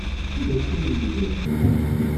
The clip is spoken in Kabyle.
Anda akka ay d-ggran?